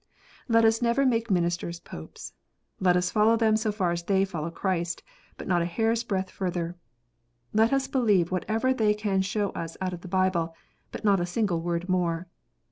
Let us never make ministers Popes. Let us follow them so far as they follow Christ, but not a hair s breadth further. Let us believe whatever they can show us out of the Bible, but not a single word more.